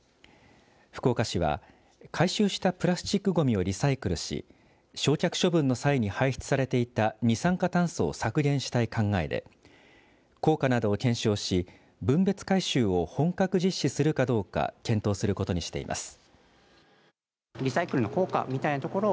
福岡市は回収したプラスチックごみをリサイクルし焼却処分の際に排出されていた二酸化炭素を削減したい考えで効果などを検証し分別回収を本格実施するかどうか検討することにしています。